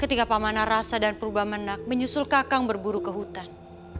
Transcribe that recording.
ketika pamanah rasa dan purba menak menyusul kakang berburu ke hutan